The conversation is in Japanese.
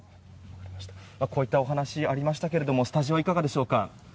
こういったお話がありましたがスタジオはいかがでしょうか。